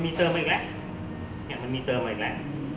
มันประกอบกันแต่ว่าอย่างนี้แห่งที่